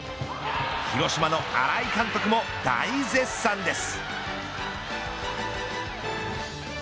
広島の新井監督も大絶賛です。